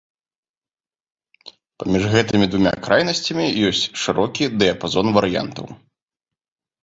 Паміж гэтымі дзвюма крайнасцямі ёсць шырокі дыяпазон варыянтаў.